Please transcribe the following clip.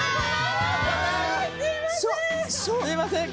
すいません。